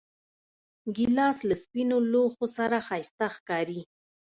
ګیلاس له سپینو لوښو سره ښایسته ښکاري.